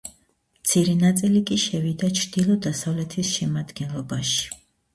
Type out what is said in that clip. მცირე ნაწილი კი შევიდა ჩრდილო-დასავლეთის შემადგენლობაში.